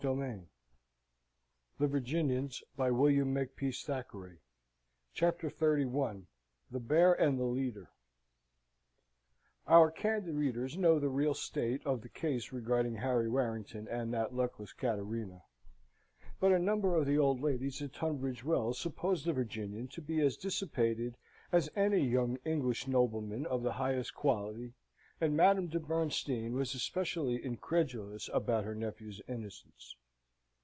and dance, and have your merry little supper of cakes and ale! CHAPTER XXXI. The Bear and the Leader Our candid readers know the real state of the case regarding Harry Warrington and that luckless Cattarina; but a number of the old ladies at Tunbridge Wells supposed the Virginian to be as dissipated as any young English nobleman of the highest quality, and Madame de Bernstein was especially incredulous about her nephew's innocence.